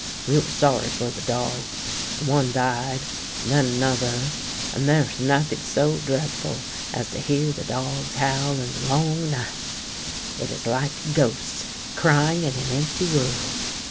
We were sorry for the dogs ; and one died, and then another, and there is nothing so dreadful as to hear the dogs howl in the long night — it is like ghosts crying in an empty world.